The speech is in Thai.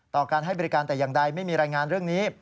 การให้บริการแต่อย่างใดไม่มีรายงานเรื่องนี้